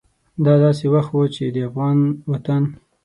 دا داسې وخت و چې د افغان وطن